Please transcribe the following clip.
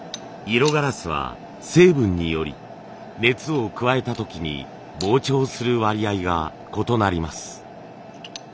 色ガラスは成分により熱を加えた時に膨張する割合が異なります。